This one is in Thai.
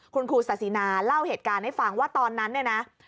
คุณครูศาสินาเล่าเหตุการณ์ให้ฟังว่าตอนนั้นเนี่ยนะ